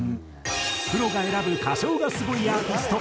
プロが選ぶ歌唱がスゴいアーティスト。